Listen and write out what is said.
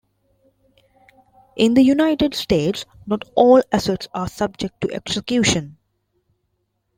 In the United States, not all assets are subject to execution.